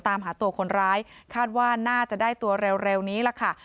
ตามหาตัวคนร้ายคาดว่าน่าจะได้ตัวเร็วนี้ล่ะค่ะ